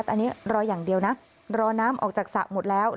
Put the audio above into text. แต่อันนี้รออย่างเดียวนะรอน้ำออกจากสระหมดแล้ว